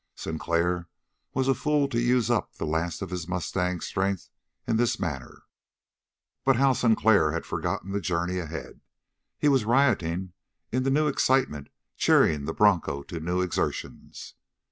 Sinclair was a fool to use up the last of his mustang's strength in this manner. But Hal Sinclair had forgotten the journey ahead. He was rioting in the new excitement cheering the broncho to new exertions.